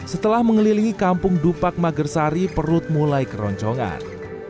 setelah mengelilingi kampung dupak magersari perut mulai keroncongan